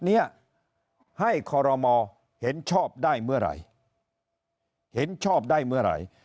เนี้ยให้คอรมอเห็นชอบได้เมื่อไหร่เห็นชอบได้เมื่อไหร่